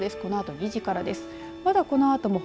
このあと２時からです。